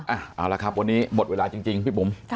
เอาละครับวันนี้หมดเวลาจริงพี่บุ๋ม